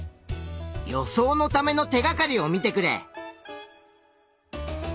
予想のための手がかりを見てくれ。